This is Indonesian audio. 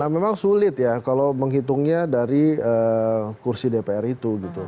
memang sulit ya kalau menghitungnya dari kursi dpr itu